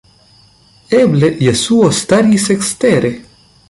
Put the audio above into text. Eble Jesuo staris ekstere!